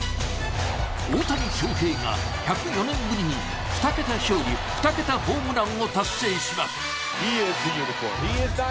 大谷翔平が１０４年ぶりに２桁勝利・２桁ホームランを達成します。